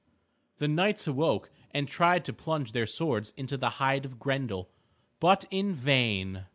The knights awoke and tried to plunge their swords into the hide of Grendel, but in vain.